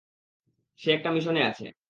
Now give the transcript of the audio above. সে একটা মিশনে আছে।